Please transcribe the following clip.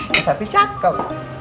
yang satu cakep